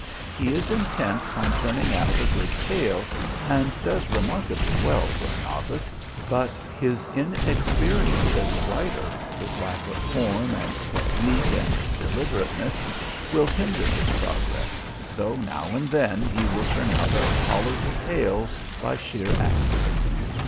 He is intent on turning out a good tale, and does remarkably well for a novice, but his inexperience as a writer, his lack of form and technique and deliberateness will hinder his progress, though now and then he will turn out a tolerable tale by sheer accident.